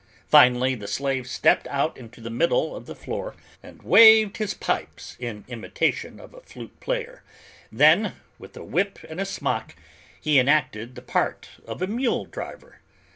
Finally, the slave stepped out into the middle of the floor and waved his pipes in imitation of a flute player; then, with a whip and a smock, he enacted the part of a mule driver.